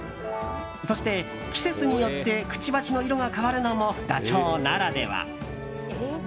そして季節によってくちばしの色が変わるのもダチョウならでは。